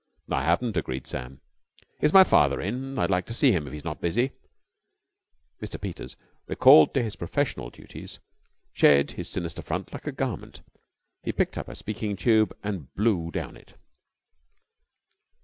"I haven't," agreed Sam. "Is my father in? I'd like to see him if he's not busy." Mr. Peters, recalled to his professional duties, shed his sinister front like a garment. He picked up a speaking tube and blew down it.